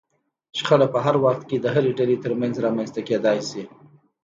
شخړه په هر وخت کې د هرې ډلې ترمنځ رامنځته کېدای شي.